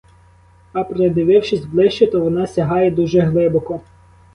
А придивившись ближче, то вона сягає дуже глибоко.